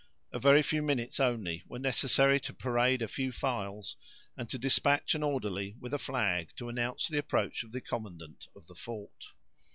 A very few minutes only were necessary to parade a few files, and to dispatch an orderly with a flag to announce the approach of the commandant of the fort.